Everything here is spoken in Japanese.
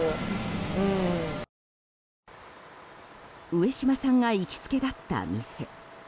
上島さんが行きつけだった店。